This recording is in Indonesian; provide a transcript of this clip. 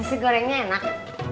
nasi gorengnya enak